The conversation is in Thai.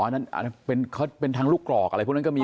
อ๋อนั่นเป็นทั้งลูกกรอกอะไรพวกนั้นก็มี